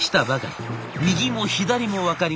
右も左も分かりません。